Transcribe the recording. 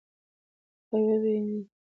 که قوه وي نو وزن نه سپکیږي.